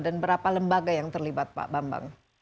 dan berapa lembaga yang terlibat pak bambang